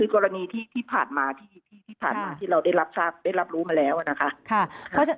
กรณีที่ผ่านมาที่เราได้รับรู้มาแล้วนะคะ